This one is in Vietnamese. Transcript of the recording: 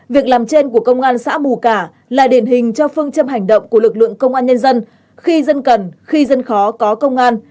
việc làm trên của công an xã mù cả là điển hình cho phương châm hành động của lực lượng công an nhân dân khi dân cần khi dân khó có công an